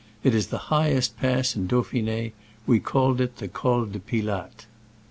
It is the highest pass in Dauphin^. We called it the Col de Pilatte. .